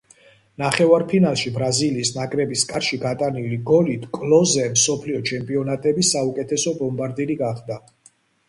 ნახევარფინალში ბრაზილიის ნაკრების კარში გატანილი გოლით კლოზე მსოფლიო ჩემპიონატების საუკეთესო ბომბარდირი გახდა.